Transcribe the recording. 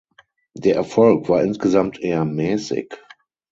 Der Erfolg war insgesamt eher mäßig.